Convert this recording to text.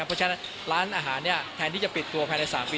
เพราะฉะนั้นร้านอาหารแทนที่จะปิดตัวภายใน๓ปี